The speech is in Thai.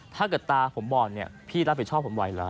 ถ้าเกิดตาผมบ่อนพี่รับผิดชอบผมไวหรอ